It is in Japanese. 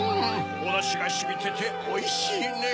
おダシがしみてておいしいねぇ！